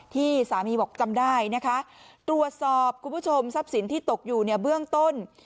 ที่สามีบอกจำได้นะคะตรวจสอบคุณผู้ชมทรัพย์สินที่ตกอยู่เนี่ยเบื้องต้น